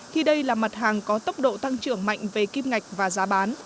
khi đây là mặt hàng có tốc độ tăng trưởng mạnh về kim ngạch và giá bán